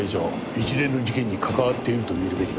一連の事件に関わっていると見るべきだろう。